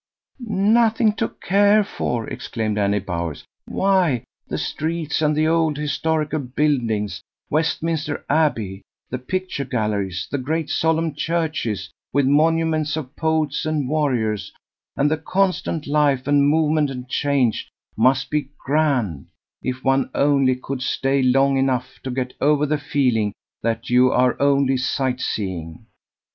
"Nothing to care for!" exclaimed Annie Bowers; "why, the streets and the old historical buildings Westminster Abbey, the Picture Galleries, the great solemn churches, with monuments of poets and warriors, and the constant life and movement and change, must be grand, if one only could stay long enough to get over the feeling that you are only sight seeing.